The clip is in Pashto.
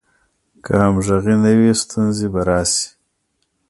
که همغږي نه وي، ستونزې به راشي.